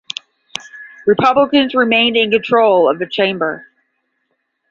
Republicans remained in control of the chamber.